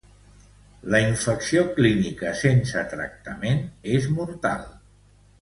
La infecció clínica sense tractament és mortal.